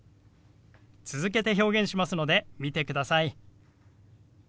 続けて表現しますので見てください。